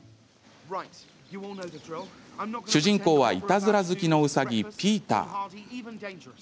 主人公はいたずら好きのうさぎ、ピーター。